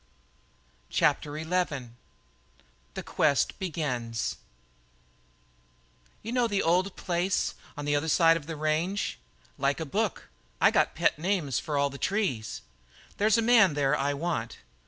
CHAPTER XI THE QUEST BEGINS "You know the old place on the other side of the range?" "Like a book. I got pet names for all the trees." "There's a man there I want."